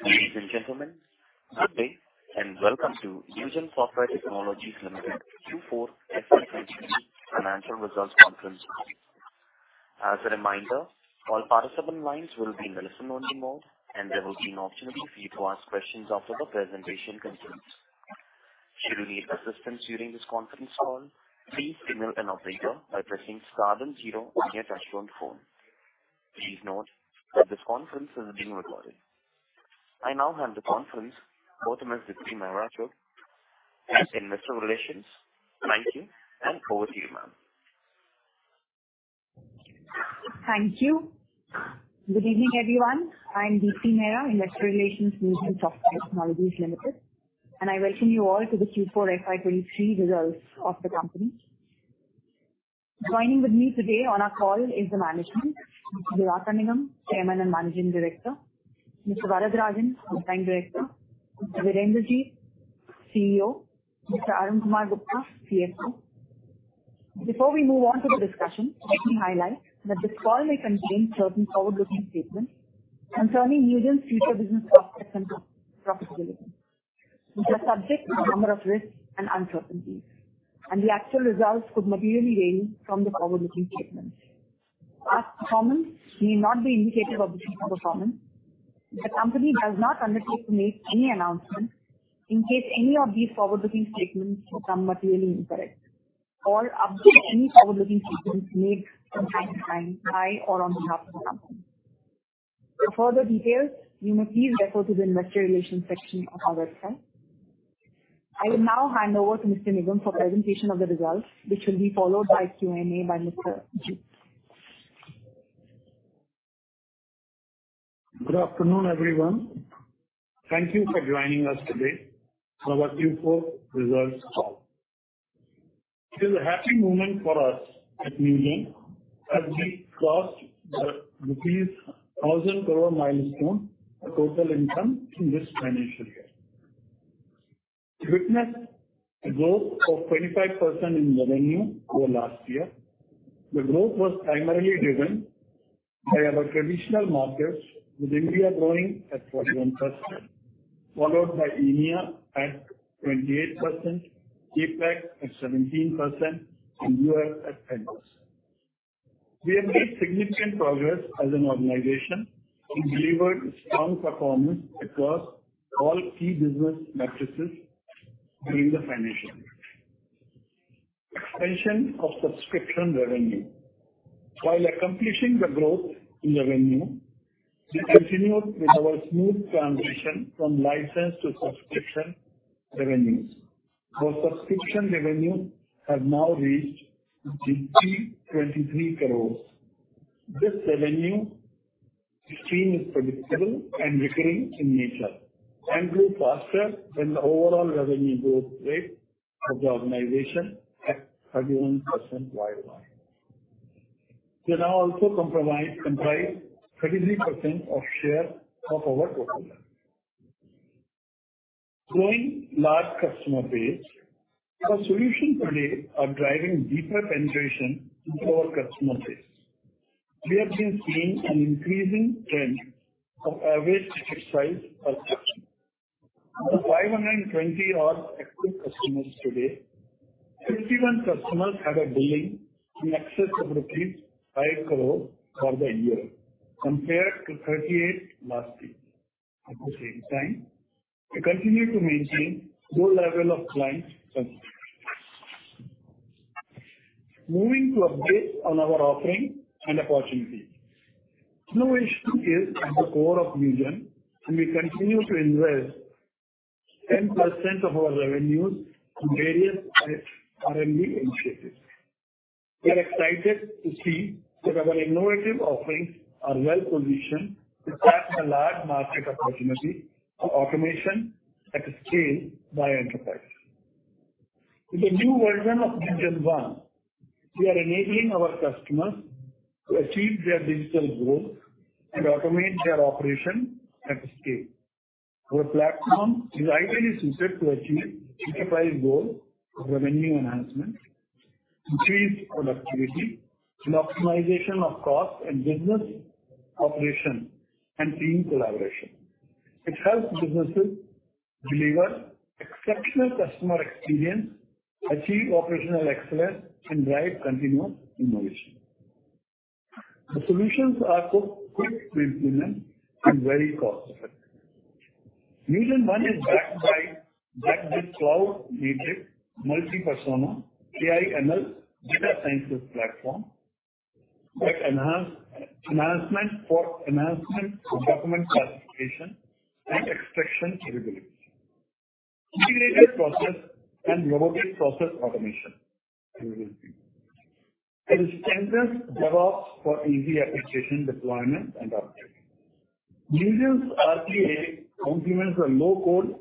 Ladies and gentlemen, good day, and welcome to Newgen Software Technologies Limited Q4 FY23 financial results conference call. As a reminder, all participant lines will be in a listen-only mode, and there will be an opportunity for you to ask questions after the presentation concludes. Should you need assistance during this conference call, please signal an operator by pressing star 0 on your touchtone phone. Please note that this conference is being recorded. I now hand the conference over to Ms. Deepthi Meera Rao, Head Investor Relations. Thank you, and over to you, ma'am. Thank you. Good evening, everyone. I'm Deepthi Meera, Investor Relations, Newgen Software Technologies Limited, and I welcome you all to the Q4 FY23 results of the company. Joining with me today on our call is the management, Diwakar Nigam, Chairman and Managing Director, Mr. Varadarajan, Independent Director, Mr. Virendra Jeet, CEO, Mr. Arunkumar Gupta, CFO. Before we move on to the discussion, let me highlight that this call may contain certain forward-looking statements concerning Newgen's future business prospects and profitability, which are subject to a number of risks and uncertainties, and the actual results could materially vary from the forward-looking statements. Past performance may not be indicative of the future performance. The company does not undertake to make any announcement in case any of these forward-looking statements become materially incorrect or update any forward-looking statements made from time to time by or on behalf of the company. For further details, you may please refer to the investor relations section of our website. I will now hand over to Mr. Kannan for presentation of the results, which will be followed by Q&A by Mr. Jeet. Good afternoon, everyone. Thank you for joining us today for our Q4 results call. It is a happy moment for us at Newgen as we crossed the rupees 1,000 crore milestone of total income in this financial year. We witnessed a growth of 25% in revenue over last year. The growth was primarily driven by our traditional markets, with India growing at 41%, followed by EMEA at 28%, APAC at 17%, and U.S. at 10%. We have made significant progress as an organization and delivered strong performance across all key business matrices during the financial year. Expansion of subscription revenue. While accomplishing the growth in revenue, we continued with our smooth transition from license to subscription revenues. Our subscription revenue has now reached 23 crore. This revenue stream is predictable and recurring in nature and grew faster than the overall revenue growth rate of the organization at 31% YOY. They now also comprise 33% of share of our total revenue. Growing large customer base. Our solutions today are driving deeper penetration into our customer base. We have been seeing an increasing trend of average ticket size per subscription. Of the 520-odd active customers today, 51 customers have a billing in excess of rupees 5 crore for the year, compared to 38 last year. At the same time, we continue to maintain low level of client concentration. Moving to updates on our offerings and opportunities. Innovation is at the core of Newgen, and we continue to invest 10% of our revenues in various R&D initiatives. We are excited to see that our innovative offerings are well-positioned to tap the large market opportunity for automation at scale by enterprise. With the new version of NewgenONE, we are enabling our customers to achieve their digital goals and automate their operation at scale. Our platform is ideally suited to achieve enterprise goal of revenue enhancement, increased productivity, and optimization of cost and business operation and team collaboration. It helps businesses deliver exceptional customer experience, achieve operational excellence, and drive continuous innovation. The solutions are so quick to implement and very cost-effective. NewgenONE is backed by flagship cloud-native multi-persona AI ML data sciences platform that enhancement for document classification and extraction capability, related process and robotic process automation capability. It enhances DevOps for easy application deployment and update. Newgen's RPA complements our low-code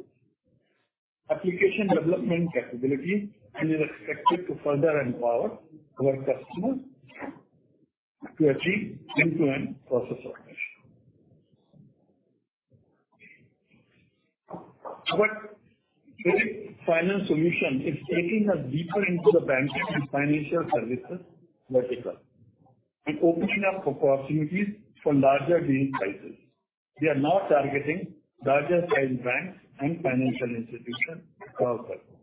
application development capability and is expected to further empower our customers to achieve end-to-end process automation. Our credit finance solution is taking us deeper into the banking and financial services vertical and opening up opportunities for larger deal sizes. We are now targeting larger-sized banks and financial institutions across the globe.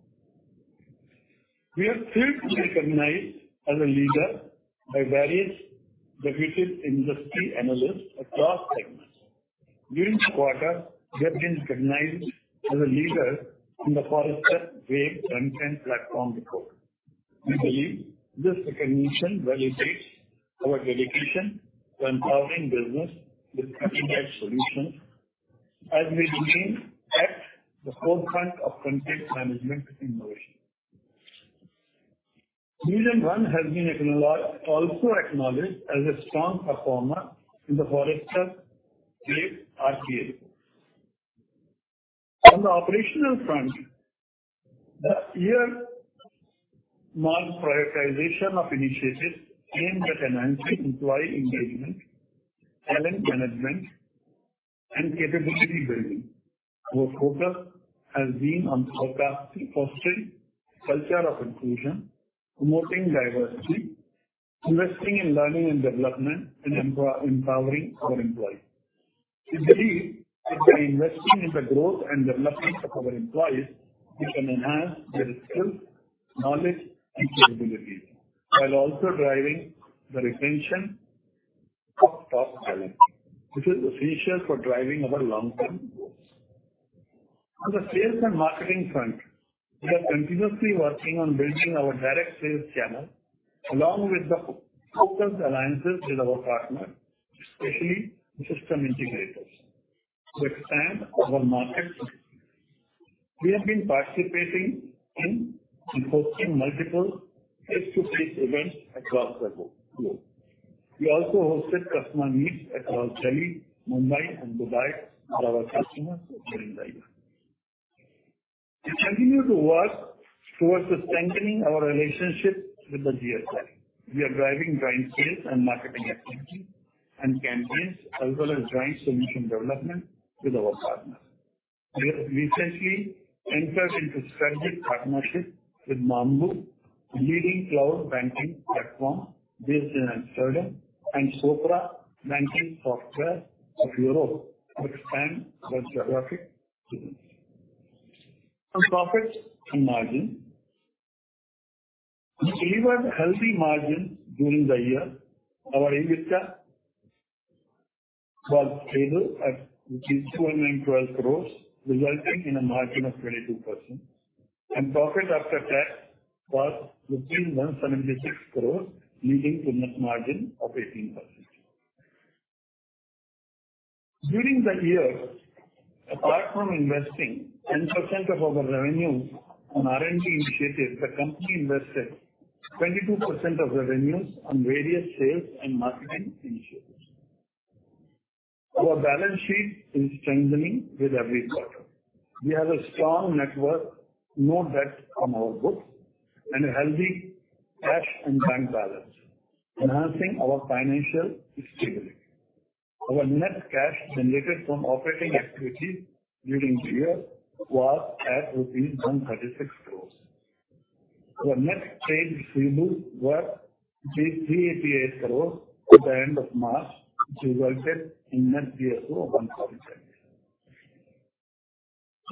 We are thrilled to be recognized as a leader by various reputed industry analysts across segments. During this quarter, we have been recognized as a leader in the Forrester Wave Content Platforms report. NewgenONE has been acknowledged. Also acknowledged as a strong performer in the Forrester Wave RPA report. On the operational front, the year marked prioritization of initiatives aimed at enhancing employee engagement, talent management, and capability building. Our focus has been on capacity, fostering culture of inclusion, promoting diversity, investing in learning and development, and empowering our employees. We believe that by investing in the growth and development of our employees, we can enhance their skills, knowledge, and capabilities, while also driving the retention of top talent, which is essential for driving our long-term goals. On the sales and marketing front, we are continuously working on building our direct sales channel, along with the focused alliances with our partners, especially system integrators, to expand our market. We have been participating in and hosting multiple face-to-face events across the globe. We also hosted customer meets across Delhi, Mumbai, and Dubai for our customers during the year. We continue to work towards strengthening our relationship with the GSI. We are driving joint sales and marketing activities and campaigns, as well as joint solution development with our partners. We have recently entered into strategic partnerships with Mambu, a leading cloud banking platform based in Amsterdam, and Sopra Banking Software of Europe to expand our geographic reach. On profit and margin, we delivered healthy margins during the year. Our EBITDA was stable at 212 crores, resulting in a margin of 22%. Profit after tax was 176 crores, leading to net margin of 18%. During the year, apart from investing 10% of our revenue on R&D initiatives, the company invested 22% of revenues on various sales and marketing initiatives. Our balance sheet is strengthening with every quarter. We have a strong net worth, no debt on our books, and a healthy cash and bank balance, enhancing our financial stability. Our net cash generated from operating activities during the year was at rupees 136 crores. Our net trade receivables were 388 crores at the end of March, which resulted in net DSO of 1,000 days.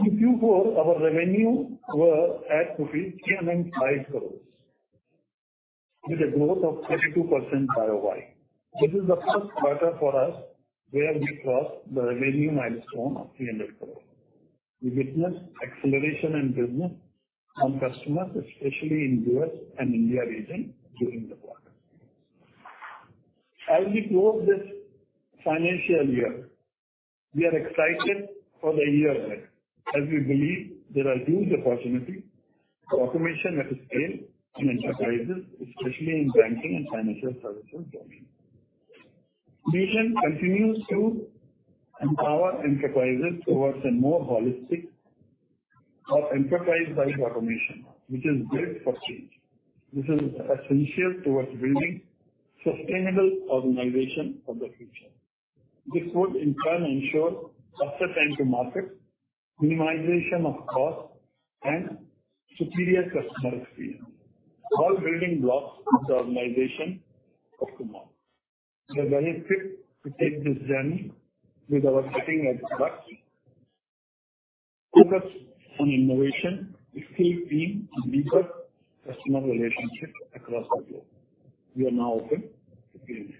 In Q4, our revenue were at rupees 305 crores with a growth of 32% year-over-year. This is the first quarter for us where we crossed the revenue milestone of 300 crores. We witnessed acceleration in business from customers, especially in U.S. and India region during the quarter. As we close this financial year, we are excited for the year ahead as we believe there are huge opportunities for automation at scale in enterprises, especially in banking and financial services function. Vision continues to empower enterprises towards a more holistic or enterprise-wide automation, which is great for change. This is essential towards building sustainable organization of the future. This would in turn ensure faster time to market, minimization of cost, and superior customer experience, all building blocks of the organization of tomorrow. We are well equipped to take this journey with our cutting-edge products, focus on innovation, and deepening customer relationships across the globe. We are now open to Q&A.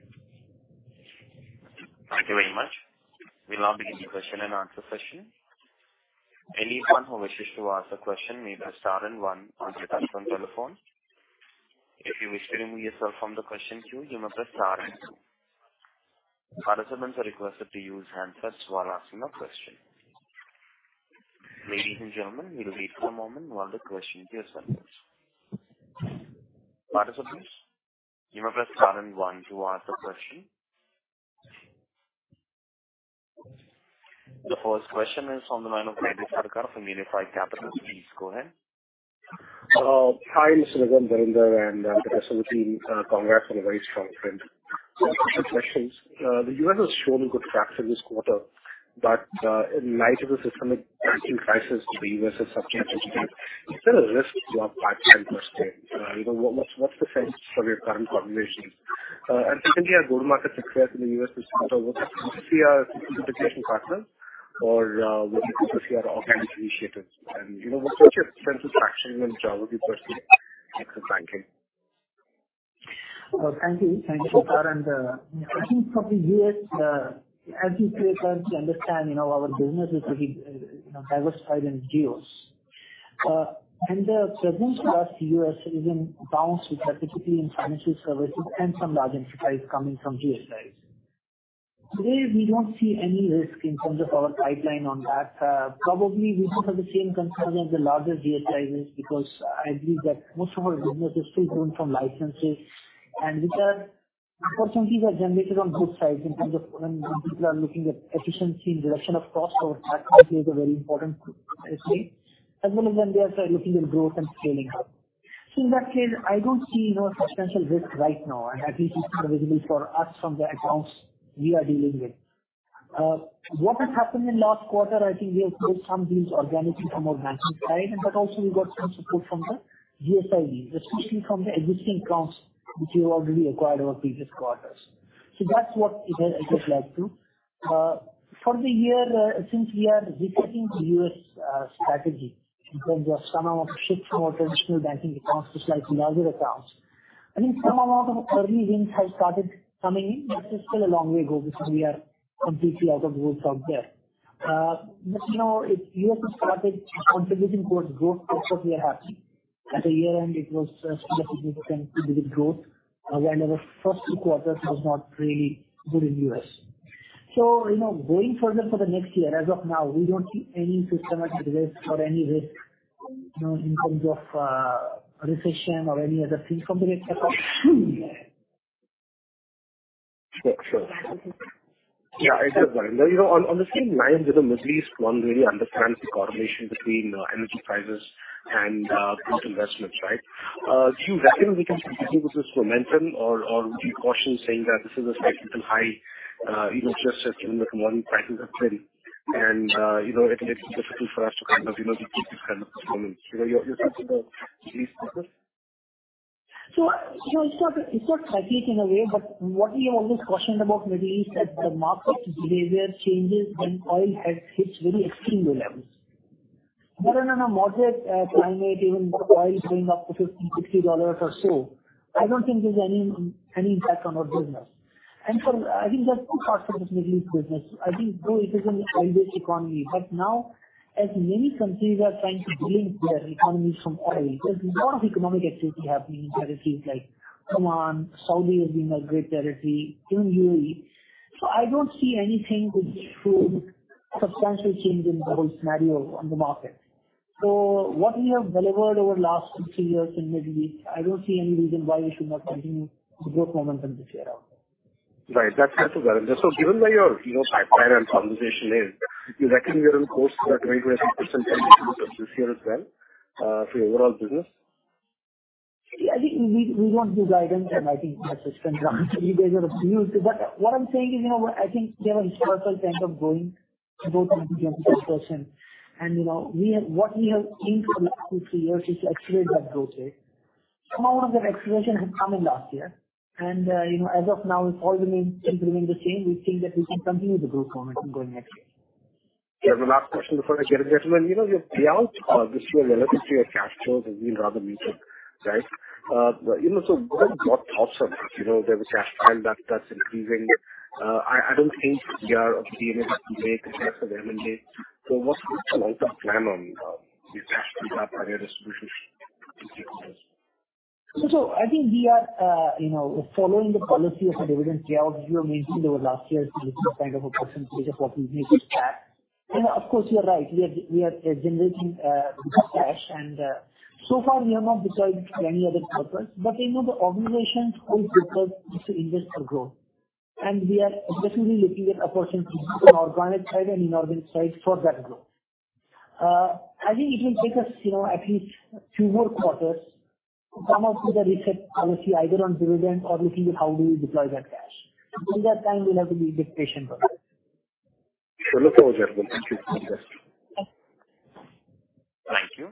Thank you very much. We'll now begin the question and answer session. Anyone who wishes to ask a question may press star and 1 on their touch-tone telephone. If you wish to remove yourself from the question queue, you may press star and 2. Participants are requested to use hand first while asking a question. Ladies and gentlemen, we will wait for a moment while the question queue settles. Participants, you may press star and 1 to ask a question. The first question is on the line of Randy Sarkar from Unifi Capital. Please go ahead. Hi Mr. Viren Birender and the rest of the team. Congrats on a very strong print. A couple of questions. The U.S. has shown good traction this quarter, but, in light of the systemic banking crisis the U.S. is subject to, is there a risk to our pipeline per se? you know, what's the sense for your current population? Typically our gold market success in the U.S. this quarter, what do you see our certification partner or, what do you see our organic initiatives and, you know, what's your sense of traction when it comes to banking? Thank you. Thank you. I think from the US, as you correctly understand, you know, our business is pretty, you know, diversified in geos. The presence across US is in banks, which are typically in financial services and some large entities coming from GSIs. Today we don't see any risk in terms of our pipeline on that. Probably we don't have the same concern as the larger GSIs is because I believe that most of our business is still grown from licenses and which are opportunities are generated on both sides in terms of when people are looking at efficiency and reduction of costs. That currently is a very important thing as well as when they are looking at growth and scaling up. In that case, I don't see no substantial risk right now, and at least it's not visible for us from the accounts we are dealing with. What has happened in last quarter, I think we have built some deals organically from our banking side, but also we got some support from the GSI leads, especially from the existing accounts which we've already acquired over previous quarters. That's what it has led to. For the year, since we are resetting the U.S. strategy in terms of some amount of shift from our traditional banking accounts to slightly larger accounts. I think some amount of early wins have started coming in, but it's still a long way to go because we are completely out of the woods out there. You know, if U.S. has started contributing towards growth, that's what we are happy. At the year end it was, still a significant two-digit growth, when our first two quarters was not really good in U.S. You know, going further for the next year, as of now, we don't see any systematic risk or any risk, you know, in terms of, recession or any other thing from the next account. Sure. Yeah. Exactly. You know, on the same line, you know, Middle East one really understands the correlation between energy prices and growth investments, right? Do you reckon we can continue with this momentum or would you caution saying that this is a cyclical high, you know, just as and when prices have fell and, you know, it may be difficult for us to kind of, you know, keep this kind of performance, you know, your thoughts on this please? you know, it's not cyclic in a way, but what we have always cautioned about Middle East that the market behavior changes when oil has hits very extreme low levels. On a moderate climate, even oil going up to $50-$60 or so, I don't think there's any impact on our business. I think there are two parts to this Middle East business. I think though it is an oil-based economy, but now as many countries are trying to de-link their economies from oil, there's a lot of economic activity happening in territories like Oman. Saudi is being a great territory, even UAE. I don't see anything which would substantially change in the whole scenario on the market. What we have delivered over last 2, 3 years in Middle East, I don't see any reason why we should not continue the growth momentum this year out. Right. That's well. Given where your, you know, pipeline and conversation is, you reckon we are on course for that 20% 10% this year as well for your overall business? I think we won't give guidance. I think that's a spend down. You guys are used to. What I'm saying is, you know, I think we have a historical trend of growing both NBP and subscription. You know, what we have seen for the last two, three years is to accelerate that growth rate. Some amount of that acceleration has come in last year. You know, as of now, if all remains, everything remains the same, we think that we can continue the growth momentum going next year. I have a last question before I get it gentlemen. You know, your payouts are this year relative to your cash flows as we'd rather meet it, right? You know, what are your thoughts on it? You know, there was cash pile that's increasing. I don't think we are at the end of the day compared to the M&A. What's your long-term plan on this cash build up and your distribution in future years? I think we are, you know, following the policy of a dividend payout we have maintained over last year. This is kind of a percentage of what we make as cash. You know, of course, you're right. We are generating, good cash and, so far we have not decided any other purpose. You know, the organization's whole purpose is to invest for growth. We are definitely looking at opportunities from organic side and inorganic side for that growth. I think it will take us, you know, at least two more quarters to come up with a reset policy either on dividend or looking at how do we deploy that cash. During that time we'll have to be bit patient about it. Sure. Looks all gentlemen. Thank you. Thank you.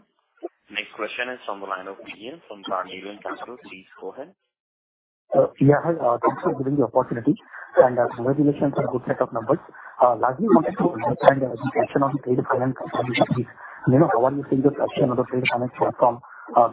Next question is on the line of Mihir from Garnieri and Castle. Please go ahead. Yeah. Hi. Thanks for giving the opportunity and congratulations on good set of numbers. Largely wanted to understand your action on trade finance from this year. You know, how are you seeing the traction of the trade finance platform,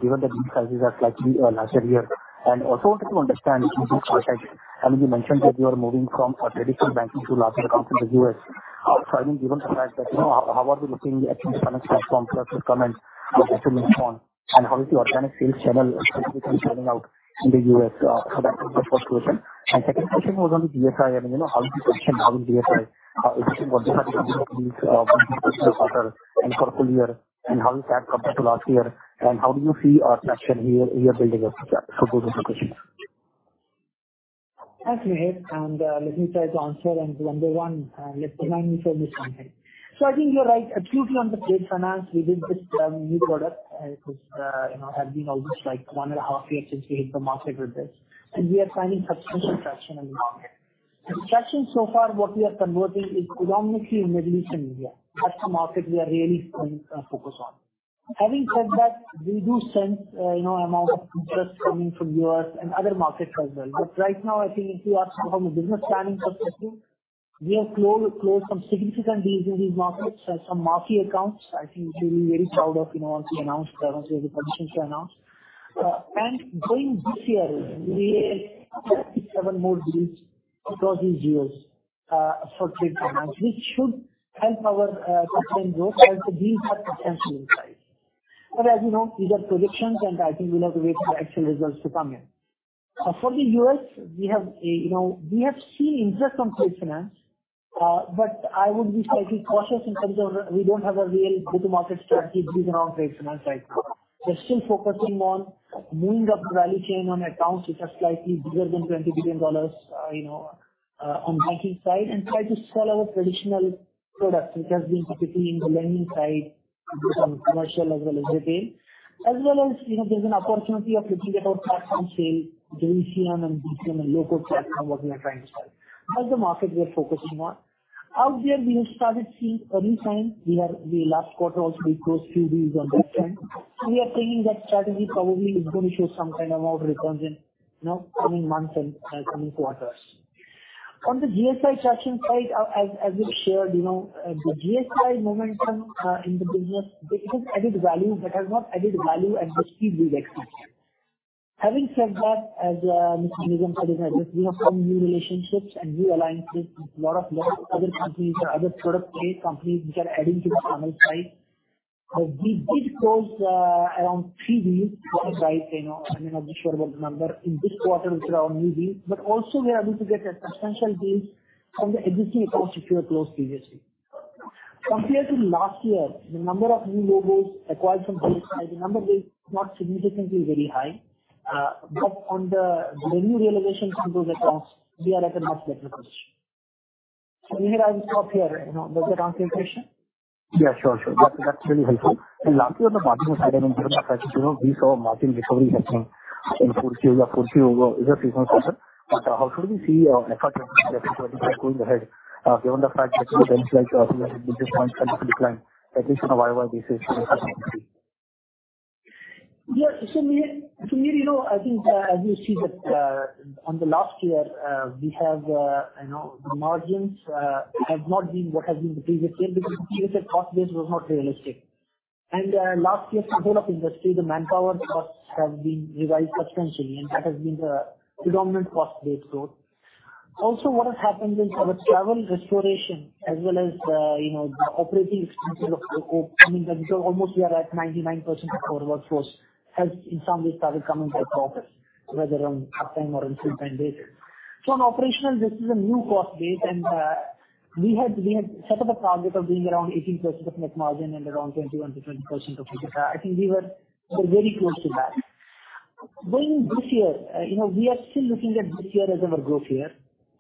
given that deal sizes are slightly larger here? Also wanted to understand from this quarter. I mean, you mentioned th at you are moving from traditional banking to larger accounts in the US. I mean, given the fact that you know, how are we looking at the finance platform plus the comment you made on and how is the organic sales channel specifically turning out in the US? That was the first question. Second question was on the DSO. I mean, you know, how is the position now in DSO? What are the opportunities, going into this quarter and for full year? How does that compare to last year? How do you see our traction here building up? Those are the questions. Thanks, Mihir. Let me try to answer. Number one, let me remind me from this content. I think you're right. Absolutely. On the trade finance, we did this new product, which, you know, has been almost like 1 and a half years since we hit the market with this, and we are finding substantial traction in the market. The traction so far, what we are converting is predominantly in Middle East and India. That's the market we are really going focus on. Having said that, we do sense, you know, amount of interest coming from U.S. and other markets as well. Right now, I think if you ask from a business planning perspective, we have closed some significant deals in these markets, some marquee accounts I think you'll be very proud of. You know, once we announce, once we have the permissions to announce. Going this year, we expect 7 more deals across these years, for trade finance, which should help our top line growth as these are potential in size. As you know, these are predictions, and I think we'll have to wait for the actual results to come in. For the U.S. we have a... You know, we have seen interest on trade finance, but I would be slightly cautious in terms of we don't have a real go-to-market strategy built around trade finance right now. We're still focusing on moving up the value chain on accounts which are slightly bigger than $20 billion, you know, on banking side and try to sell our traditional products, which has been particularly in the lending side, be it on commercial as well as retail. As well as, you know, there's an opportunity of looking at our platform sales, doing CM and DCM and low-code sales are what we are trying to sell. That's the market we are focusing on. Out there we have started seeing early signs. We last quarter also we closed few deals on that front. So we are thinking that strategy probably is going to show some kind of out returns in, you know, coming months and coming quarters. On the GSI traction side, as we've shared, you know, the GSI momentum in the business, it has added value but has not added value at the speed we've expected. Having said that, as Mr. Nigam said, is that we have some new relationships and new alliances with lot of other companies or other product-based companies which are adding to the funnel side. We did close around 3 deals quarter right, you know. I mean, I'm not sure about the number in this quarter which are our new deals, but also we are able to get a substantial deals from the existing accounts which we have closed previously. Compared to last year, the number of new logos acquired from GSI, the number is not significantly very high. On the revenue realization from those accounts, we are at a much better position. Mihir I will stop here, you know. Does that answer your question? Yeah, sure. That's really helpful. Lastly, on the margin side, I mean, given the fact, you know, we saw a margin recovery happening in Q4 or Q4 is a seasonal factor, but how should we see EBITDA going ahead, given the fact that the bench like basis points decline at least on a YOY basis. Mihir, you know, I think, as you see that, on the last year, we have, you know, the margins, have not been what has been the previous year because the previous year cost base was not realistic. Last year for whole of industry, the manpower costs have been revised substantially, and that has been the predominant cost base growth. Also, what has happened is our travel restoration as well as, you know, the operating expenses of coming back to almost we are at 99% of our workforce has in some way started coming back to office, whether on half-time or on full-time basis. On operational, this is a new cost base. We had set up a target of being around 18% of net margin and around 21%-20% of EBITDA. I think we were very close to that. Going this year, you know, we are still looking at this year as our growth year.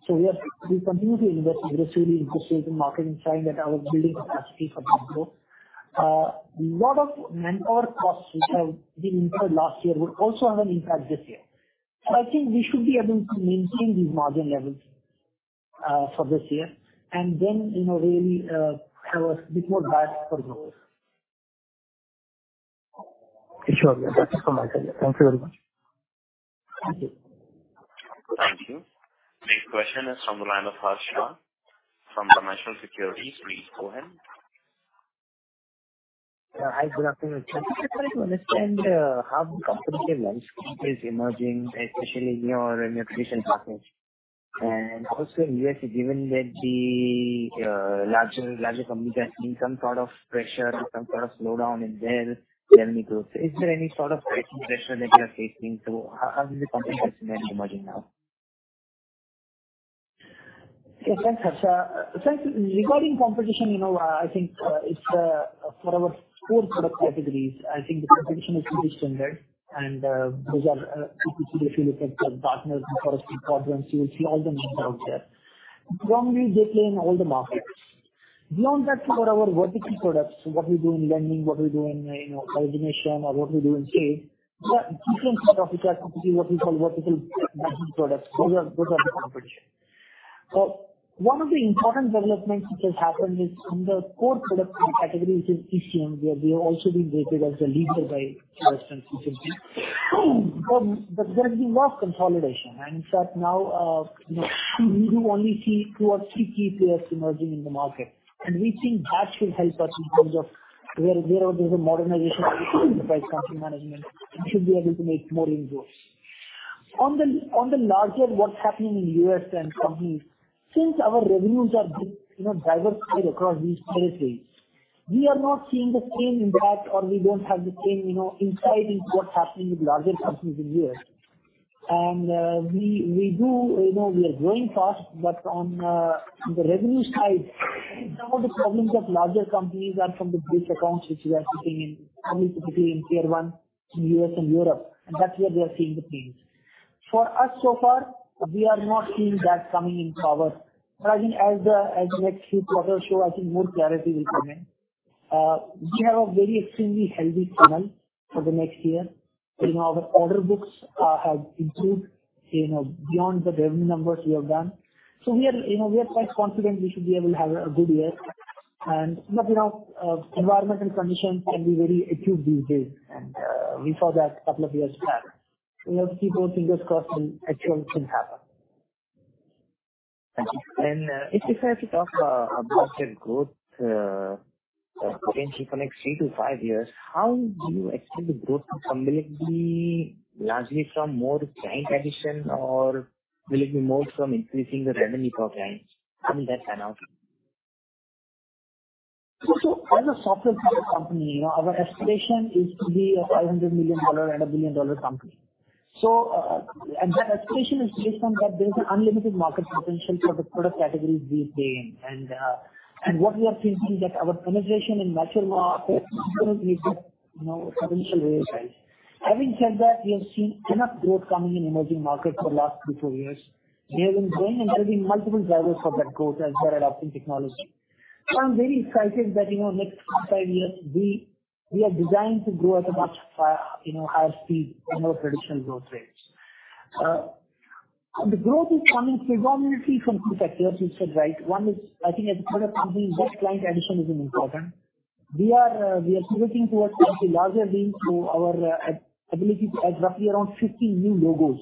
We continue to invest aggressively in this space in marketing sign that are building capacity for growth. Lot of manpower costs which have been incurred last year will also have an impact this year. I think we should be able to maintain these margin levels for this year and then, you know, really have a bit more bias for growth. Sure. Yeah. That's it from my side. Yeah. Thank you very much. Thank you. Thank you. Next question is from the line of Harsha from Dimensional Securities. Please go ahead. Hi, good afternoon. Just trying to understand how the competitive landscape is emerging, especially in your BPM and package. Also in U.S., given that the larger companies are seeing some sort of pressure, some sort of slowdown in their need to... Is there any sort of pricing pressure that you are facing? How is the competition emerging now? Yes, thanks, Harsha. Thanks. Regarding competition, you know, I think it's for our core product categories, I think the competition is pretty standard. Those are, if you see, if you look at the partners and core street partners, you will see all the names are out there. One, we play in all the markets. Beyond that for our vertical products, what we do in lending, what we do in, you know, automation or what we do in sales, the key competitors are typically what we call vertical banking products. Those are the competition. One of the important developments which has happened is in the core product categories in ECM, where we have also been rated as a leader by industry institutions. There has been more consolidation and that now, you know, you only see 2 or 3 key players emerging in the market, and we think that will help us in terms of where there's a modernization of enterprise content management and should be able to make more inroads. On the, on the larger what's happening in U.S. and companies, since our revenues are you know, diversified across these industries, we are not seeing the same impact or we don't have the same, you know, insight into what's happening with larger companies in U.S. We do... You know, we are growing fast, but on the revenue side, some of the problems of larger companies are from the base accounts which we are sitting in, only typically in tier one in US and Europe, and that's where we are seeing the pains. For us so far, we are not seeing that coming in power. I think as the, as the next few quarters show, I think more clarity will come in. We have a very extremely healthy funnel for the next year. You know, our order books have improved, you know, beyond the revenue numbers we have done. We are, you know, we are quite confident we should be able to have a good year and. You know, environmental conditions can be very acute these days, and we saw that couple of years back. You know, people fingers crossed will actual things happen. Thank you. If we have to talk about the growth potential for next 3 to 5 years, how do you expect the growth to come? Will it be largely from more client addition or will it be more from increasing the revenue per client? How will that pan out? As a software company, you know, our aspiration is to be a $500 million and a $1 billion company. That aspiration is based on that there's an unlimited market potential for the product categories we play in. What we have seen is that our penetration in mature markets is still very, you know, potential very high. Having said that, we have seen enough growth coming in emerging markets for last 3-4 years. We have been growing and there have been multiple drivers for that growth as they're adopting technology. I'm very excited that, you know, next 3-5 years we are designed to grow at a much, you know, higher speed than our traditional growth rates. The growth is coming predominantly from 2 factors you said, right? One is, I think as a product company, that client addition is important. We are, we are pivoting towards actually larger deals through our ability to add roughly around 50 new logos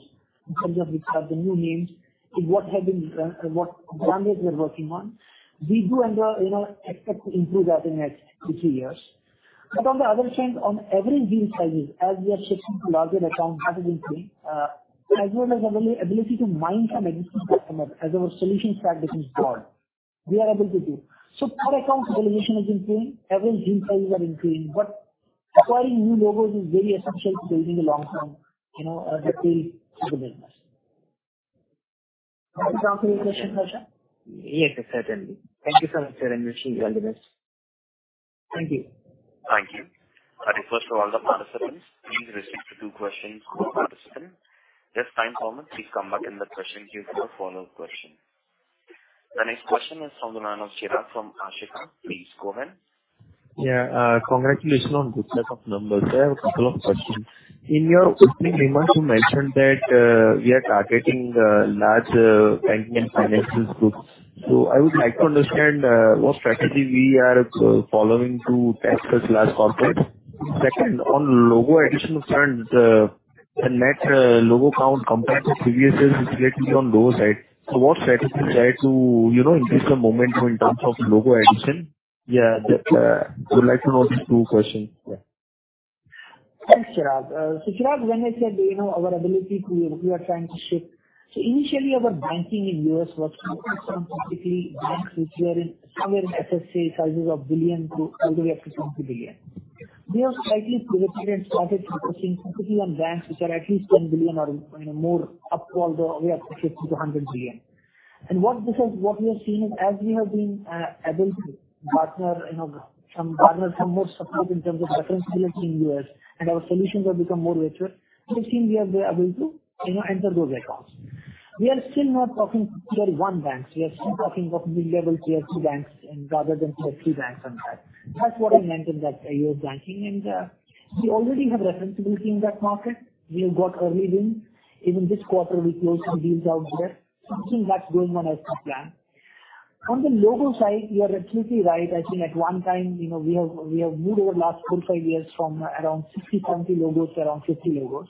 in terms of which are the new names in what have been, what domains we are working on. We do and, you know, expect to improve that in next two, three years. On the other hand, on every deal sizes as we are shifting to larger accounts, as you can see, as well as ability to mine some existing customers as our solution stack becomes broad, we are able to do. Per account evolution is improving, average deal sizes are increasing, but acquiring new logos is very essential to building a long-term, you know, appeal to the business. Does that answer your question, Harsha? Yes, certainly. Thank you, sir. Wish you all the best. Thank you. Thank you. I request to all the participants, please restrict to two questions per participant. If time permits, please come back in the question queue for follow-up question. The next question is from the line of Chirag from Ashika. Please go ahead. Yeah. Congratulations on good set of numbers. I have a couple of questions. In your opening remarks, you mentioned that we are targeting large banking and financials groups. I would like to understand what strategy we are following to test those large corporates. Second, on logo addition front, the net logo count compared to previous years is slightly on lower side. What strategies are to, you know, increase the momentum in terms of logo addition? That would like to know these two questions. Thanks, Chirag. Chirag, when I said, you know, We are trying to shift. Initially our banking in US was focused on typically banks which were in somewhere in asset size of billion to all the way up to $20 billion. We have slightly pivoted and started focusing specifically on banks which are at least $10 billion or, you know, more up all the way up to $50 billion-$100 billion. What we are seeing is as we have been able to partner, you know, some partners have more support in terms of referenceability in US and our solutions have become more richer, we're seeing we are able to, you know, enter those accounts. We are still not talking tier one banks. We are still talking of mid-level tier two banks and rather than tier three banks and that. That's what I meant in that U.S. banking, we already have referenceability in that market. We have got early wins. Even this quarter we closed some deals out there. I think that's going on as per plan. On the logo side, you are absolutely right. I think at one time, you know, we have moved over last 4, 5 years from around 60, 70 logos to around 50 logos.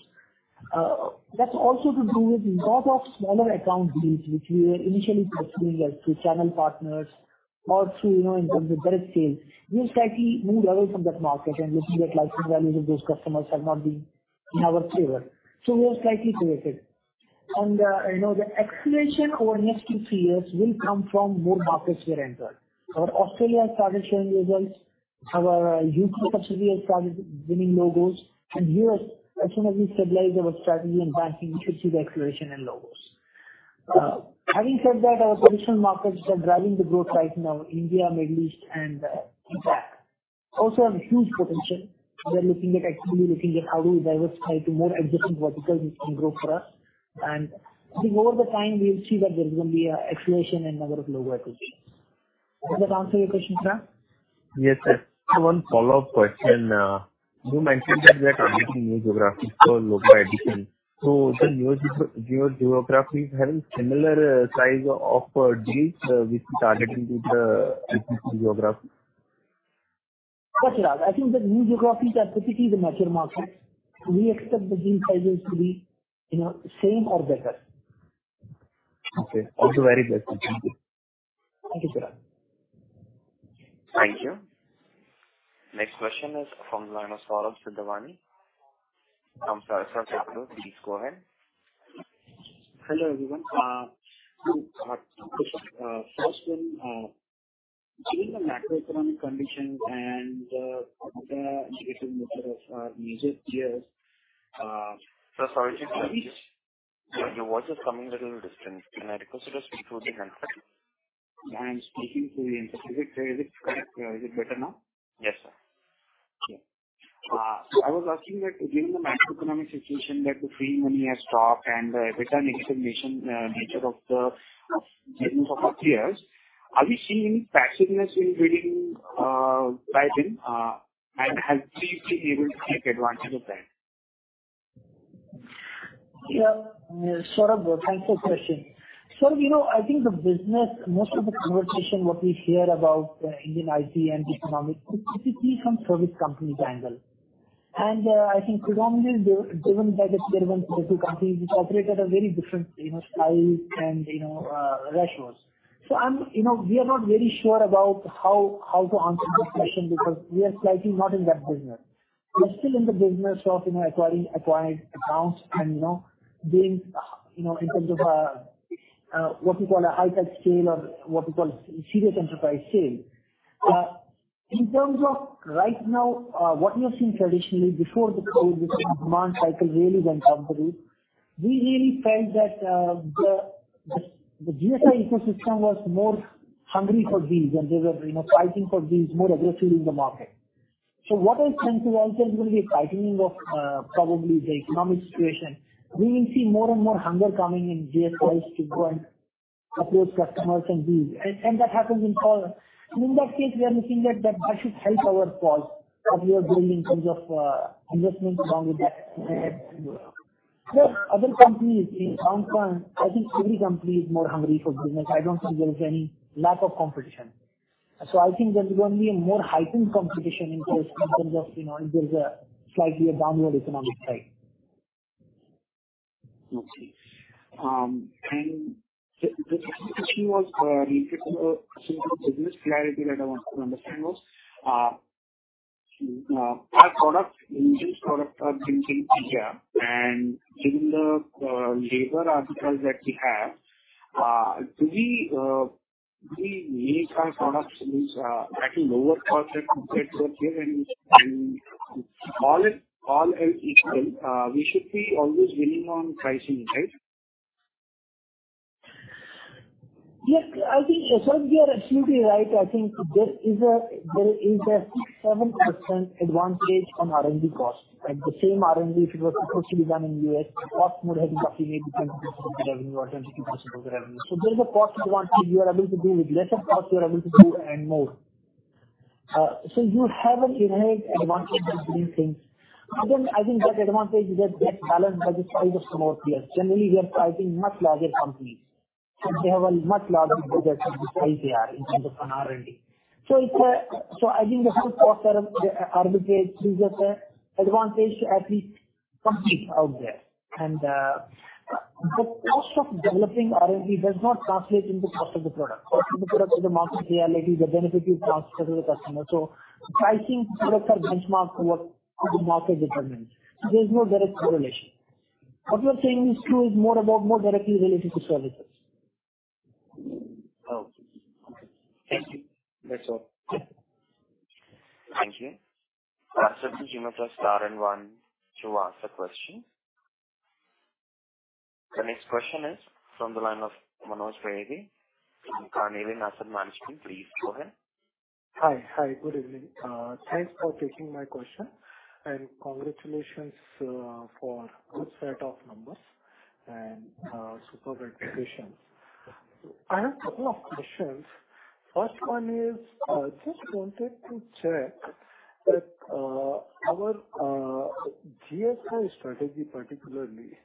That's also to do with lot of smaller account deals which we were initially pursuing like through channel partners or through, you know, in terms of direct sales. We have slightly moved away from that market and we see that license values of those customers have not been in our favor, so we have slightly pivoted. The acceleration over next 2, 3 years will come from more markets we are entered. Our Australia has started showing results. Our U.K. subsidiary has started winning logos and U.S. as soon as we stabilize our strategy in banking, we should see the acceleration in logos. Having said that, our traditional markets which are driving the growth right now, India, Middle East, and APAC also have huge potential. We are actively looking at how do we diversify to more adjacent verticals which can grow for us. I think over the time we'll see that there is going to be an acceleration in number of logo acquisitions. Does that answer your question, Chirag? Yes, sir. One follow-up question. You mentioned that we are targeting new geographies for logo addition. The new geographies having similar size of deals which we targeted with the existing geographies? Yes, Chirag. I think the new geographies are typically the mature markets. We expect the deal sizes to be, you know, same or better. Okay. All the very best. Thank you. Thank you, Chirag. Thank you. Next question is from the line of Saurabh Sidhwani from Sahasrar Capital. Please go ahead. Hello, everyone. 2 questions. First one, given the macroeconomic conditions and other negative news of recent years. Sir, sorry to interrupt you. Your voice is coming little distant. Can I request you to speak through the handset? I am speaking through the handset. Is it correct? Is it better now? Yes, sir. Okay. I was asking that given the macroeconomic situation that the free money has stopped and the return expectation, nature of the for three years, are we seeing passiveness in reading by them, and has GSI been able to take advantage of that? Yeah. Yeah. Saurabh, thanks for the question. You know, I think the business, most of the conversation, what we hear about Indian IT and the economic specifically from service companies angle. I think predominantly driven by the tier one, tier two companies which operate at a very different, you know, size and, you know, ratios. You know, we are not very sure about how to answer this question because we are slightly not in that business. We are still in the business of, you know, acquiring accounts and, you know, being, you know, in terms of what you call a high touch scale or what we call serious enterprise sales. In terms of right now, what we have seen traditionally before the COVID, which demand cycle really when companies, we really felt that the GSI ecosystem was more hungry for deals and they were, you know, fighting for deals more aggressively in the market. What I sense is also is going to be a tightening of probably the economic situation. We will see more and more hunger coming in GSIs to go and approach customers and deals. That happens in all. In that case, we are looking at that should help our cause as we are building in terms of investments along with that. There are other companies in some firms. I think every company is more hungry for business. I don't think there is any lack of competition. I think there's going to be a more heightened competition in terms of, you know, if there's a slightly a downward economic cycle. Okay. The second question was related to a simple business clarity that I wanted to understand. Our products, Indian products, are generally cheaper. Given the labor arbitrage that we have, do we make our products at a lower cost than competitors here, and all else equal, we should be always winning on pricing, right? Yes. I think, Saurabh, you are absolutely right. I think there is a 7% advantage on R&D cost, right? The same R&D, if it was to be done in U.S., cost would have been roughly maybe 10% of the revenue or 20% of the revenue. There is a cost advantage. You are able to do with lesser cost, you are able to do and more. You have an innate advantage by doing things. Again, I think that advantage gets balanced by the size of some of peers. Generally, we are targeting much larger companies and they have a much larger budget to decide they are in terms of an R&D. I think the whole cost arbitrage gives us an advantage to at least compete out there. The cost of developing R&D does not translate into cost of the product. Cost of the product is a market reality. The benefit is passed through to the customer. Pricing products are benchmarked to what the market determines. There is no direct correlation. What you are saying is true, is more about more directly related to services. Okay. Okay. Thank you. That's all. Thank you. Thank you. Operator, you may press star and one to ask a question. The next question is from the line of Manoj Vaidya from Carney Wade Asset Management. Please go ahead. Hi. Hi. Good evening. Thanks for taking my question and congratulations for good set of numbers and superb execution. I have couple of questions. First one is, just wanted to check that our GSI strategy particularly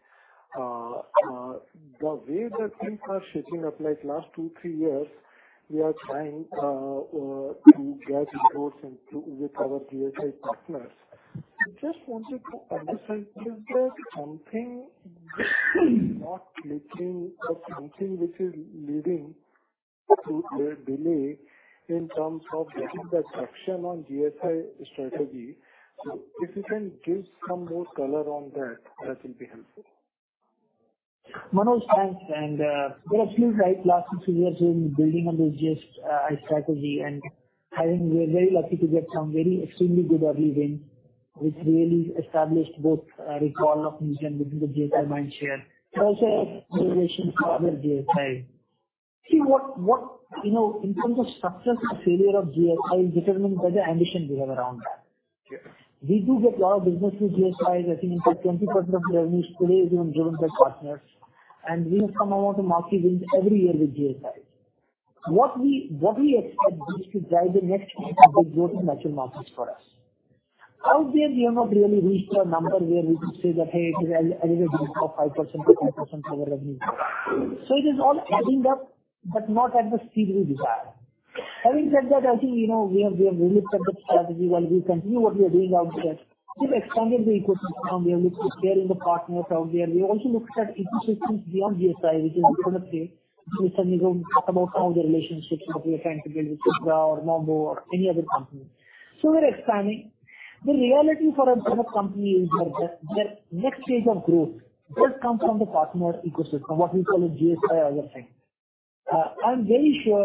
the way the things are shaping up like last two, three years, we are trying to get reports and with our GSI partners. Just wanted to understand, is there something not clicking or something which is leading to the delay in terms of getting that traction on GSI strategy. If you can give some more color on that will be helpful. Manoj, thanks. You're absolutely right. Last six years we've been building on the GSI strategy, and I think we are very lucky to get some very extremely good early wins which really established both recall of Newfen within the GSI mind share but also as innovations for other GSIs. See, what you know, in terms of success or failure of GSI is determined by the ambition we have around that. Sure. We do get lot of business with GSIs. I think it's like 20% of the revenues today is, you know, driven by partners. We have some amount of marquee wins every year with GSIs. What we expect this to drive the next big growth in mature markets for us. Out there we have not really reached a number where we could say that, "Hey, it is an average of 5%-10% of our revenue." It is all adding up but not at the speed we desire. Having said that, I think, you know, we have re-looked at the strategy while we continue what we are doing out there. We've expanded the ecosystem. We have looked at scaling the partners out there. We also looked at ecosystems beyond GSI, which is ultimately which Virendra talked about some of the relationships that we are trying to build with Indra or Mambu or any other company. We're expanding. The reality for a product company is that their next stage of growth does come from the partner ecosystem, what we call a GSI or other thing. I'm very sure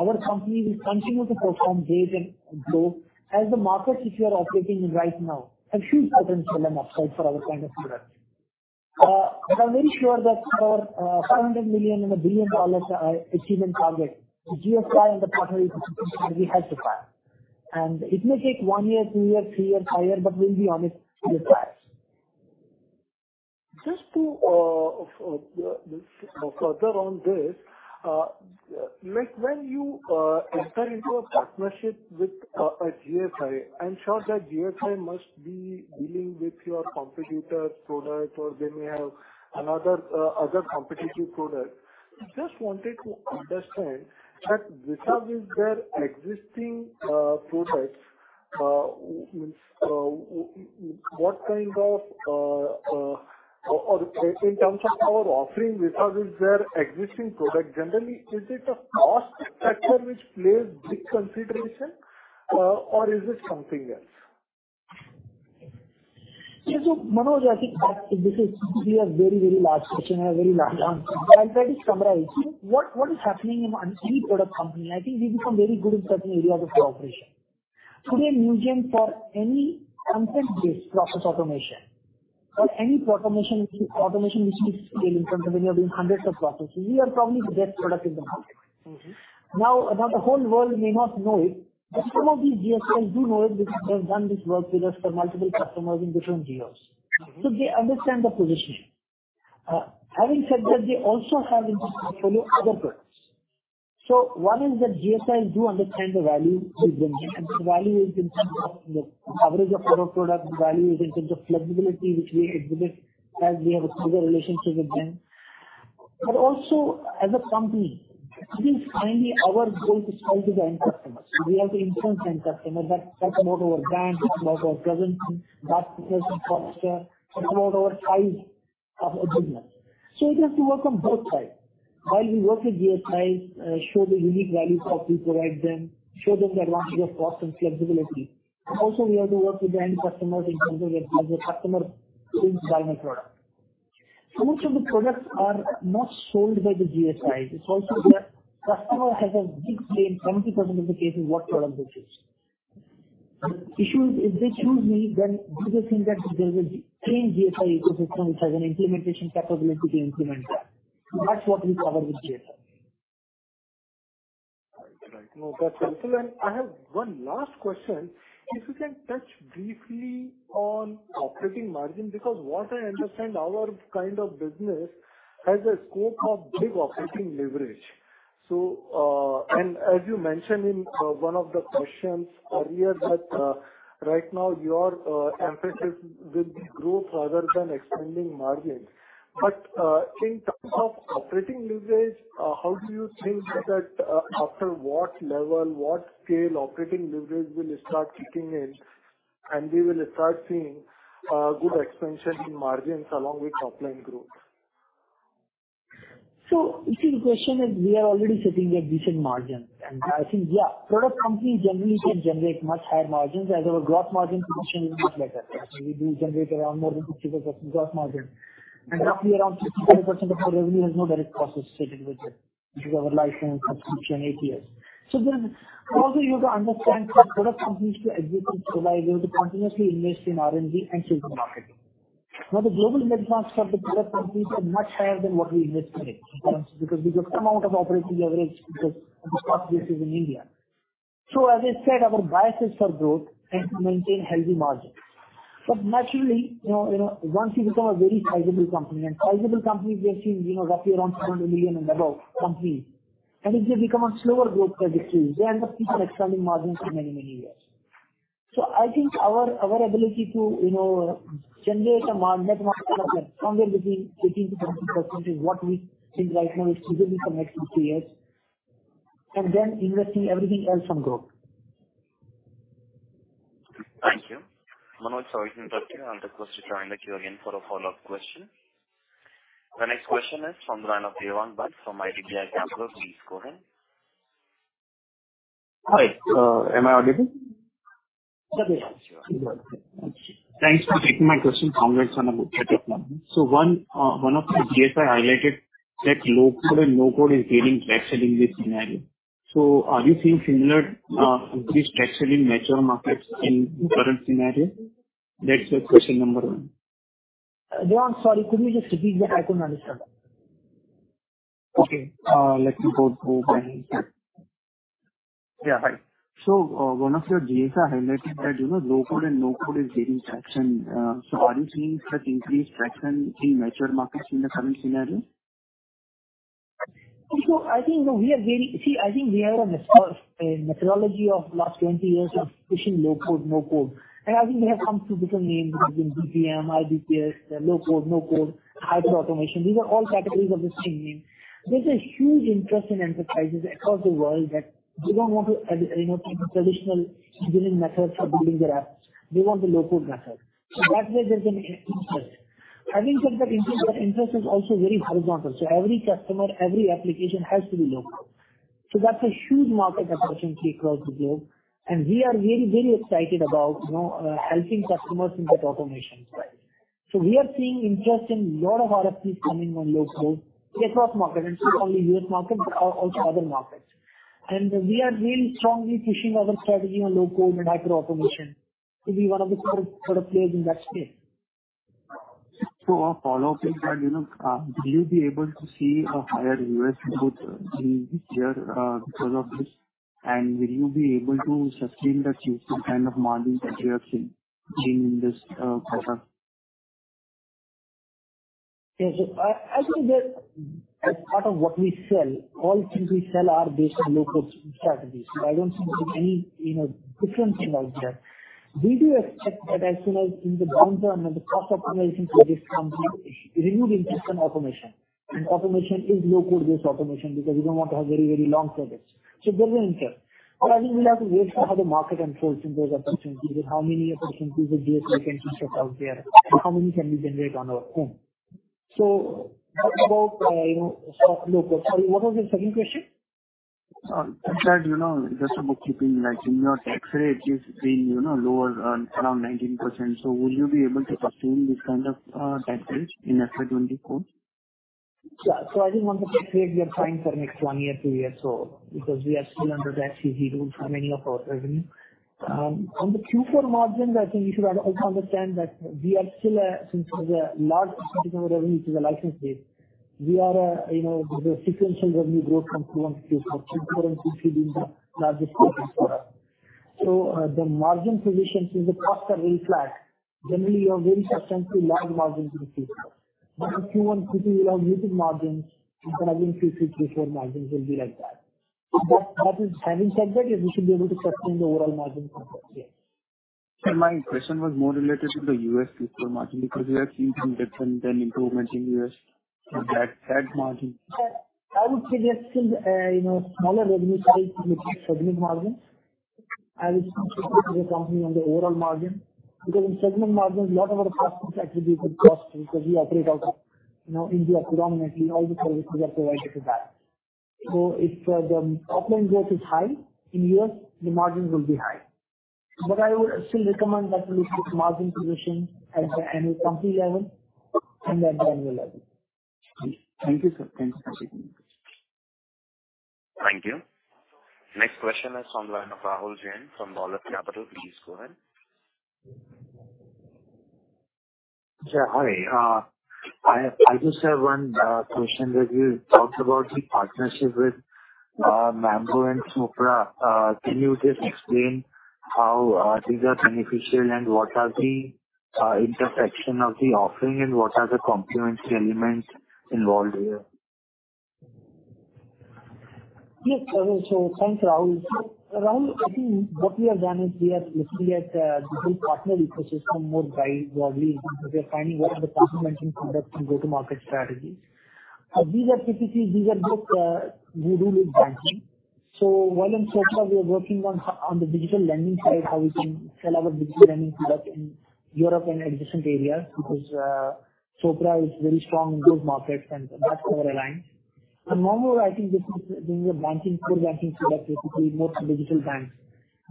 our company will continue to perform great and grow as the markets which we are operating in right now have huge potential on upside for our kind of products. But I'm very sure that our $500 million and $1 billion are achievement target. The GSI and the partner ecosystem will be helped to that. It may take 1 year, 2 years, 3 years, 5 years, but we'll be on it with that. Just to further on this, like, when you enter into a partnership with a GSI, I'm sure that GSI must be dealing with your competitor's product or they may have another, other competitive product. I just wanted to understand that Visage is their existing products. Or in terms of our offering, Visage is their existing product. Generally, is it a cost factor which plays big consideration, or is it something else? Manoj, I think that we are very large section. I have a very long answer. I'll try to summarize. What is happening in any product company, I think we become very good in certain areas of the operation. Today, Newgen for any content-based process automation or any automation which is scaling from when you're doing hundreds of processes, we are probably the best product in the market. Mm-hmm. Now the whole world may not know it, some of these GSIs do know it because they've done this work with us for multiple customers in different geos. They understand the positioning. Having said that, they also have interest to follow other products. One is that GSIs do understand the value we bring. The value is in terms of the average of our product value is in terms of flexibility which we exhibit as we have a closer relationship with them. Also as a company, I think finally our goal is to sell to the end customers. We have to influence end customers that talk about our brand, talk about our presence, talk about infrastructure, talk about our size of a business. We have to work on both sides. While we work with GSIs, show the unique value prop we provide them, show them the advantage of cost and flexibility. We have to work with the end customers in terms of as a customer who will buy my product. Most of the products are not sold by the GSIs. It's also their customer has a big say in 70% of the cases what product they choose. If they choose me, then we just think that there is a trained GSI ecosystem which has an implementation capability to implement that. That's what we cover with GSI. Right. Right. No, that's helpful. I have one last question. If you can touch briefly on operating margin, because what I understand our kind of business has a scope of big operating leverage. As you mentioned in one of the questions earlier that right now your emphasis will be growth rather than expanding margins. In terms of operating leverage, how do you think that after what level, what scale operating leverage will start kicking in and we will start seeing good expansion in margins along with top-line growth? If the question is we are already sitting at decent margin. I think, yeah, product companies generally can generate much higher margins as our gross margin position is much better. We do generate around more than 60% gross margin. Roughly around 64% of our revenue has no direct process associated with it. This is our license subscription APIs. Also you have to understand that product companies to execute well are able to continuously invest in R&D and sales and marketing. The global benchmarks of the product companies are much higher than what we invest in it because we get amount of operating leverage because of the cost basis in India. As I said, our bias is for growth and to maintain healthy margins. Naturally, you know, once you become a very sizable company and sizable companies, we are seeing, you know, roughly around 200 million and above companies, and if they become a slower growth trajectory, they end up keeping expanding margins for many, many years. I think our ability to, you know, generate a margin of somewhere between 15%-20% is what we think right now is feasible for next 2, 3 years. Then investing everything else on growth. Thank you. Manoj, sorry to interrupt you. I'll request you to join the queue again for a follow-up question. The next question is from the line of Devang Bhatt from IDBI Capital. Please go ahead. Hi, am I audible? Sure. Yeah, sure. Thanks for taking my question. Congrats on a good set of numbers. One of your GSI highlighted that low-code and no-code is gaining traction in this scenario. Are you seeing similar increased traction in mature markets in current scenario? That's the question number one. Devang, sorry. Could you just repeat that? I couldn't understand. Okay. let me go through. Yeah. Hi. one of your GSIs highlighted that, you know, low-code and no-code is gaining traction. are you seeing such increased traction in mature markets in the current scenario? I think we are gaining... I think we have a methodology of last 20 years of pushing low-code, no-code, and I think they have come through different names such as BPM, iBPS, low-code, no-code, hyperautomation. These are all categories of the same name. There's a huge interest in enterprises across the world that they don't want to, you know, take the traditional engineering methods for building their apps. They want the low-code method. That's where there's an interest. Having said that, interest is also very horizontal. Every customer, every application has to be low-code. That's a huge market opportunity across the globe. We are very, very excited about, you know, helping customers in that automation space. We are seeing interest in lot of RFPs coming on low-code across markets, not only U.S. market, but also other markets. We are really strongly pushing our strategy on low-code and micro automation to be one of the sort of players in that space. A follow-up is that, you know, will you be able to see a higher U.S. growth in this year because of this? Will you be able to sustain that useful kind of margin that you have seen in this quarter? Yes. I think that as part of what we sell, all things we sell are based on low-code strategies. I don't see any, you know, difference in all that. We do expect that as soon as in the long term the cost optimization will just come to renewed interest in automation. Automation is low-code based automation because we don't want to have very long service. There's an interest. I think we'll have to wait for how the market unfolds in those opportunities and how many opportunities of GSI can be set out there and how many can we generate on our own. What about, you know, soft low-code? Sorry, what was your second question? That you know, just a bookkeeping like in your tax rate is being, you know, lower around 19%. Will you be able to pursue this kind of tax rate in FY24? I think on the tax rate we are fine for next one year, two years or so because we are still under tax easy rules for many of our revenue. On the Q4 margins, I think you should understand that we are still, since there's a large % of our revenue, which is a license base, we are a, you know, there's a sequential revenue growth from Q1 to Q4. Q4 and Q3 being the largest quarter for us. The margin position, since the costs are very flat, generally you are very susceptible to large margins in the future. If you want Q3 will have muted margins and probably Q3, Q4 margins will be like that. Having said that, yes we should be able to sustain the overall margin from this. Yes. My question was more related to the US Q4 margin because we have seen some different than improvements in US... Yeah. that margin. Yeah. I would say we are still, you know, smaller revenue size in the segment margin and it's still a company on the overall margin because in segment margins a lot of our customers activity would cost because we operate out of, you know, India predominantly, all the services are provided to that. If the offline growth is high in U.S., the margins will be high. I would still recommend that we look at margin position at the annual company level and then the annual level. Thank you, sir. Thanks for taking my question. Thank you. Next question is from line of Rahul Jain from Dolat Capital. Please go ahead. Sir, hi. I just have one question that you talked about the partnership with Mambu and Sopra. Can you just explain how these are beneficial and what are the intersection of the offering and what are the complementary elements involved here? Yes, Rahul. Thanks, Rahul. Rahul, I think what we have done is we have looking at the whole partner ecosystem more widely. We are finding what are the complementary products and go-to-market strategies. These are typically both we do with banking. While in Sopra we are working on the digital lending side, how we can sell our digital lending product in Europe and adjacent areas because Sopra is very strong in those markets and that's where we align. Mambu I think this is doing a banking, core banking product, basically more for digital banks.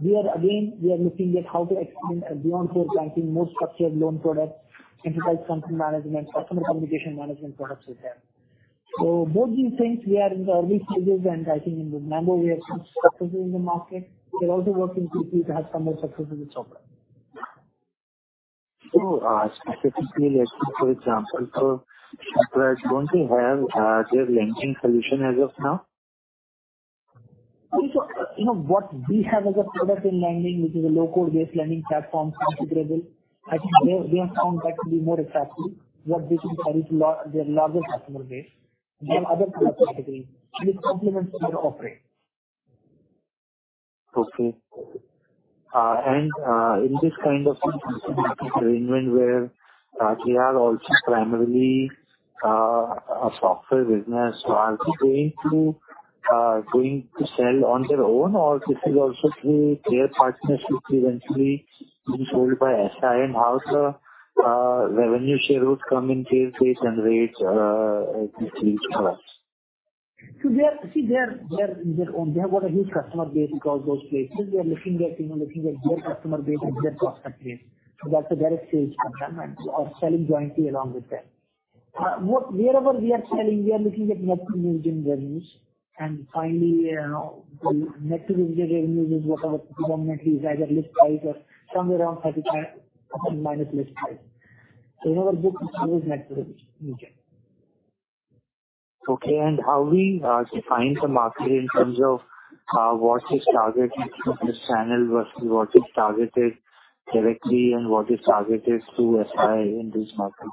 We are again looking at how to expand beyond core banking, more structured loan products, enterprise content management, customer communication management products with them. Both these things we are in the early stages and I think in Mambu we have some successes in the market. We are also working closely to have some more successes with Sopra. Specifically let's say for example, Sopra don't they have their lending solution as of now? You know what we have as a product in lending, which is a low-code based lending platform configurable. I think they have found that to be more exactly what they should carry to their larger customer base. They have other product category which complements our offering. In this kind of arrangement where they are also primarily a software business, are they going to sell on their own or is this also through their partnership eventually being sold by SI and how the revenue share would come in, deal base and rates, at least for us? They are on their own. They have got a huge customer base across those places. We are looking at, you know, looking at their customer base and their cost base. That's a very serious commitment of selling jointly along with them. Wherever we are selling, we are looking at net Newgen revenues and finally, you know, the net Newgen revenues is what our predominantly is either list price or somewhere around 55 minus list price. In our book it's always net Newgen. Okay. How we define the market in terms of what is targeted through this channel versus what is targeted directly and what is targeted through SI in this market?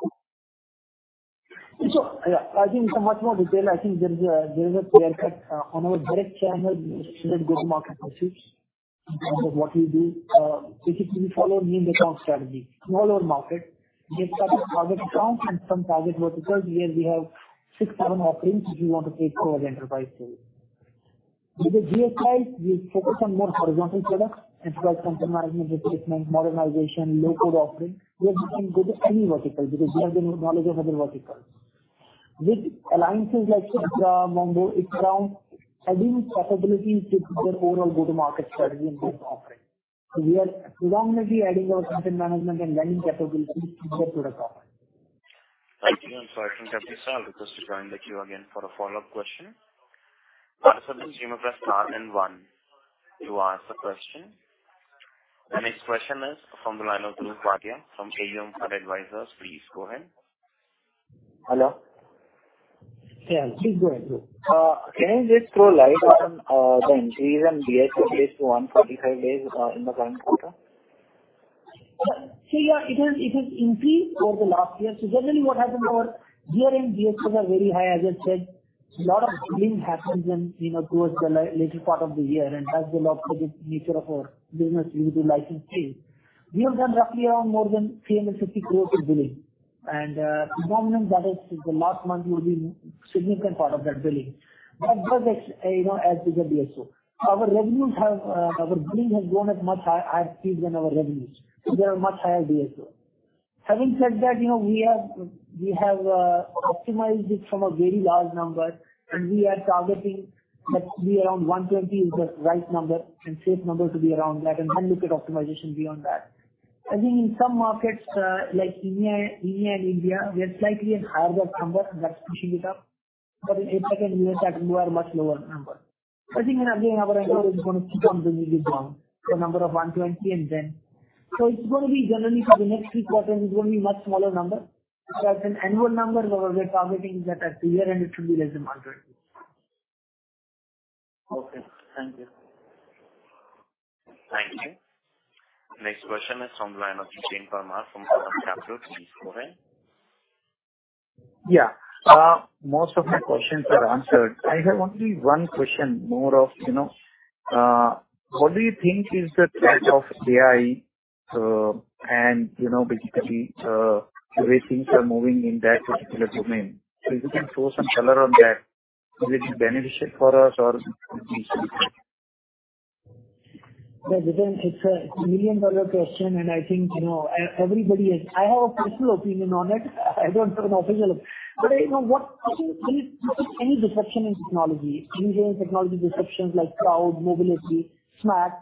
I think in some much more detail, I think there is a clear cut on our direct channel go-to-market message in terms of what we do. Basically we follow name account strategy. Smaller market, we have certain target accounts and some target verticals where we have six, seven offerings which we want to take to our enterprise sales. The GSI we focus on more horizontal products such as content management, replacement, modernization, low-code offerings. We are looking good at any vertical because we have the knowledge of other verticals. Alliances like Sopra, Mambu, it's around adding capabilities to their overall go-to-market strategy and product offering. As long as we adding our content management and lending capabilities to their product offering. I think, Kapisha, I'll request you join the queue again for a follow-up question. This is Hemant Prasad from NN One to ask a question. The next question is from the line of Pruthvi Padia from AUM Fund Advisors. Please go ahead. Hello. Yeah. Please go ahead. Can you just throw light on the increase in DSO days to 145 days in the current quarter? See, it has increased over the last year. Generally, what happens over year-end DSOs are very high, as I said. A lot of billing happens in, you know, towards the later part of the year and that's the nature of our business due to license fees. We have done roughly around more than 350 crore in billing. Predominantly that is the last month will be significant part of that billing. That's, you know, as is the DSO. Our revenues have, our billing has grown at much higher speeds than our revenues. They are much higher DSO. Having said that, you know, we have optimized it from a very large number. We are targeting that to be around 120 is the right number and safe number to be around that, and then look at optimization beyond that. I think in some markets, like EMEA and India, we are slightly at higher number and that's pushing it up. In APAC and US, that two are much lower number. I think in our annual is gonna come to this round, so number of 120 and then. It's gonna be generally for the next three quarters, it's gonna be much smaller number. As an annual number, we are targeting is at a figure and it should be less than 120. Okay, thank you. Thank you. Next question is from the line of Jiten Parmar from Kotak Capital. Please go ahead. Yeah. Most of my questions are answered. I have only one question more of, you know, what do you think is the threat of AI, and, you know, basically, the way things are moving in that particular domain. If you can throw some color on that. Is it beneficial for us or? Yeah, within it's a million-dollar question, and I think, you know, everybody has. I have a personal opinion on it. I don't have an official. You know what? Any disruption in technology, any technology disruptions like cloud, mobility, smart,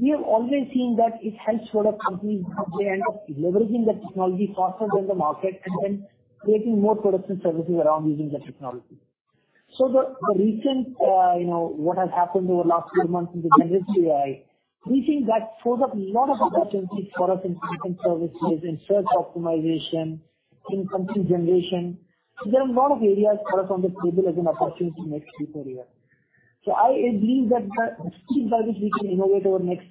we have always seen that it helps product companies at the end of leveraging that technology faster than the market and then creating more products and services around using that technology. The recent, you know, what has happened over the last few months in the generative AI, we think that throws up lot of opportunities for us in different services, in search optimization, in content generation. There are a lot of areas for us on the table as an opportunity next three, four year. I believe that the speed by which we can innovate over next,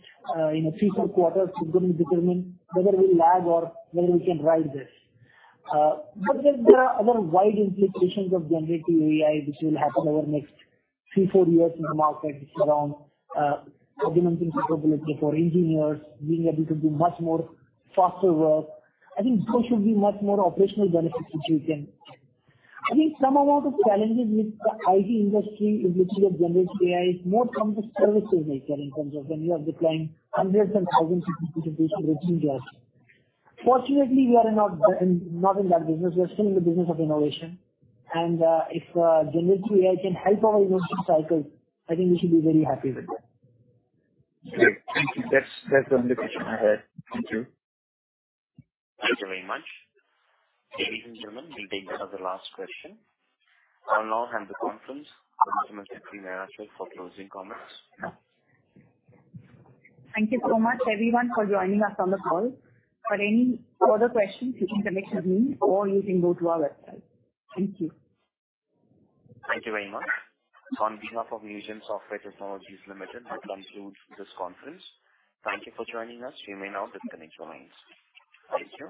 you know, 3, 4 quarters is gonna determine whether we lag or whether we can ride this. There are other wide implications of generative AI which will happen over next 3, 4 years in the market. It's around, augmenting capability for engineers being able to do much more faster work. I think those should be much more operational benefits which we can. I think some amount of challenges with the IT industry in which we have generative AI is more from the services nature in terms of when you are deploying hundreds and thousands of people to do routine jobs. Fortunately, we are not in that business. We are still in the business of innovation. If generative AI can help our innovation cycle, I think we should be very happy with it. Great. Thank you. That's the only question I had. Thank you. Thank you very much. Ladies and gentlemen, we'll take that as the last question. I'll now hand the conference to Ms. Shikha Arora for closing comments. Thank you so much everyone for joining us on the call. For any further questions, you can connect with me or you can go to our website. Thank you. Thank you very much. On behalf of Newgen Software Technologies Limited, we conclude this conference. Thank you for joining us. You may now disconnect your lines. Thank you.